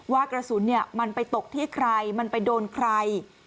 ว่ากระสุนมันไปตกที่ใครมันไปโดนใคร